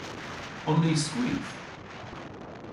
On ni skwith?